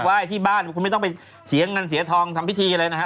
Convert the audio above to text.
ที่บ้านคุณไม่ต้องไปเสียเงินเสียทองทำพิธีอะไรนะฮะ